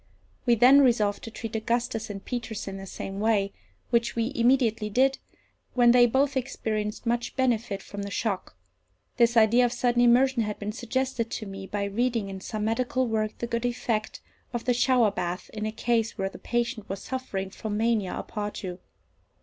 We then resolved to treat Augustus and Peters in the same way, which we immediately did, when they both experienced much benefit from the shock. This idea of sudden immersion had been suggested to me by reading in some medical work the good effect of the shower bath in a case where the patient was suffering from mania a potu.